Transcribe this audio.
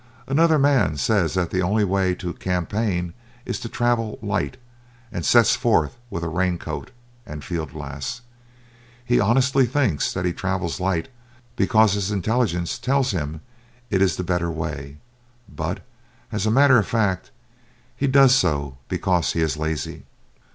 Another man says that the only way to campaign is to travel "light," and sets forth with rain coat and field glass. He honestly thinks that he travels light because his intelligence tells him it is the better way; but, as a matter of fact, he does so because he is lazy.